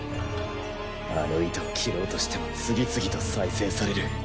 あの糸を切ろうとしても次々と再生される。